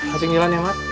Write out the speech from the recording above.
kasing jalan ya ward